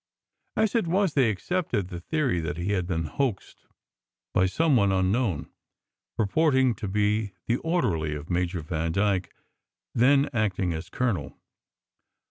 As it was, they accepted the theory that he had been hoaxed by some one unknown, purporting to be the orderly of Major Vandyke, then acting as colonel.